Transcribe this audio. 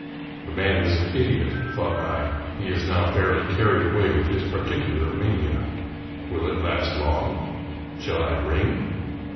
The man is an idiot, thought I ; he is now fairly carried away with his particular mania. Will it last long? Shall I ring?